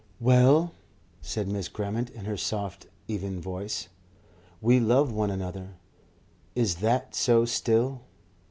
"Well," said Miss Grammont in her soft even voice. "We love one another. Is that so still?"